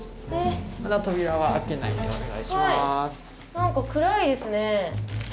何か暗いですね。